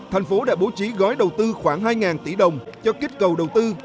tp đã bố trí gói đầu tư khoảng hai ngàn tỷ đồng cho kích cầu đầu tư